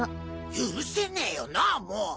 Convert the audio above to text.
許せねぇよなもう！